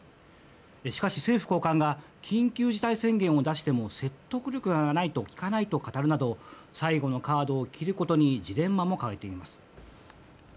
しかし、政府高官が緊急事態宣言を出しても説得力がないと効かないと語るなど最後のカードを切ることにジレンマも抱えています。